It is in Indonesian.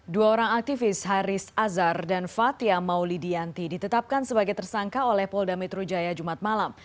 dua orang aktivis haris azhar dan fathia maulidianti ditetapkan sebagai tersangka oleh polda metro jaya jumat malam